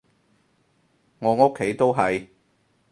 我屋企都係